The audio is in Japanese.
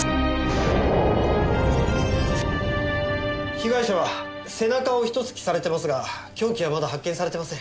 被害者は背中を一突きされてますが凶器はまだ発見されてません。